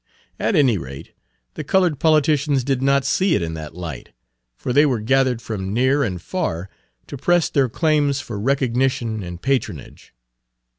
At any rate the colored politicians did not see it in that light, for they were gathered from near and far to press their claims for recognition and patronage.